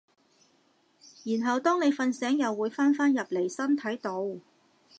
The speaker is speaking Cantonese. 然後當你瞓醒又會返返入嚟身體度